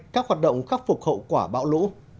các hoạt động khắc phục hậu quả bão lũ